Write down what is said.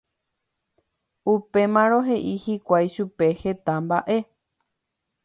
Upémarõ he'i hikuái chupe heta mba'e